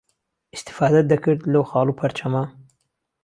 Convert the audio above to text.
ئیستیفادهت دهکرد لهو خاڵ و پهرچهمه